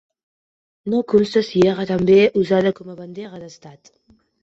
No consta si era també usada com a bandera d'estat.